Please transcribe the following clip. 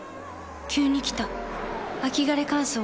急に来た秋枯れ乾燥。